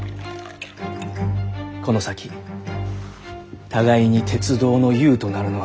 この先互いに鉄道の雄となるのはどうです？